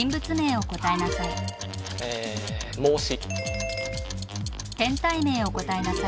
え孟子。